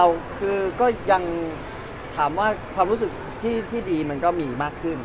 เราคือก็ยังถามว่าความรู้สึกที่ดีมันก็มีมากขึ้น